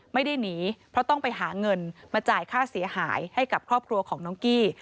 ไม่ได้หนีเพราะต้องไปหาเงินมาจ่ายค่าเสียหายให้กับครอบครัวของน้องกี้